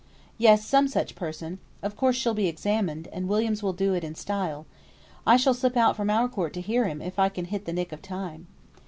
"Yes, some such person. Of course she'll be examined, and Williams will do it in style. I shall slip out from our court to hear him if I can hit the nick of time."